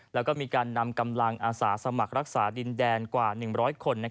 แล้วก็มีการนำกำลังอาสาสมัครรักษาดินแดนกว่า๑๐๐คน